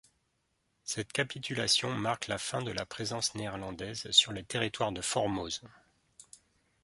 Cette capitulation marque la fin de la présence néerlandaise sur le territoire de Formose.